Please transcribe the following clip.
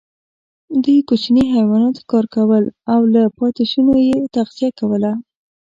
دوی کوچني حیوانات ښکار کول او له پاتېشونو یې تغذیه کوله.